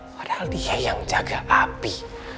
padahal dia yang jaga api